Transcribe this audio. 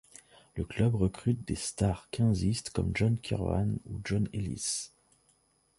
Le club recrute des stars quinzistes comme John Kirwan ou John Ellis.